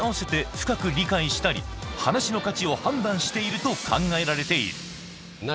深く理解したり話の価値を判断していると考えられている